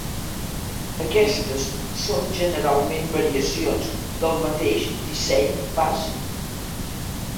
Aquestes són generalment variacions del mateix disseny bàsic.